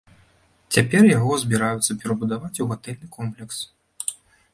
Цяпер яго збіраюцца перабудаваць у гатэльны комплекс.